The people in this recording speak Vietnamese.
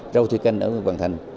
rau thuy canh ở hoàng thành